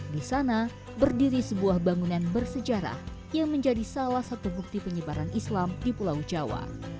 di sana berdiri sebuah bangunan bersejarah yang menjadi salah satu bukti penyebaran islam di pulau jawa